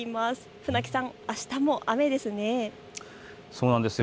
船木さん、あしたも雨ですね？